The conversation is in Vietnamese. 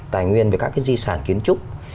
tài nguyên về các cái di sản kiến trúc